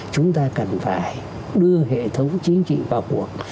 chúng ta cần phải đưa hệ thống chính trị vào cuộc